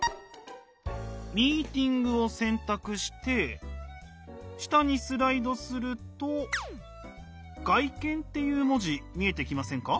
「ミーティング」を選択して下にスライドすると「外見」っていう文字見えてきませんか？